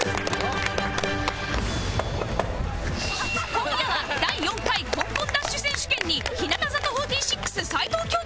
今夜は第４回コンコンダッシュ選手権に日向坂４６齊藤京子が参戦！